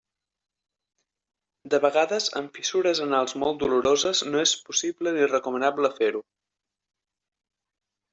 De vegades amb fissures anals molt doloroses no és possible ni recomanable fer-ho.